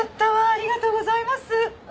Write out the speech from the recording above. ありがとうございます。